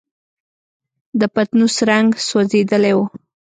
د پتنوس رنګ سوځېدلی و.